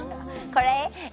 これ？